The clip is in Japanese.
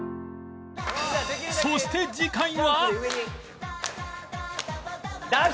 そして次回は！